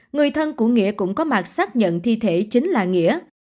người thân của nghĩa cũng có mặt xác nhận thi thể chính là nghĩa